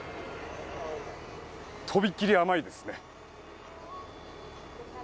とびっきり甘いですね。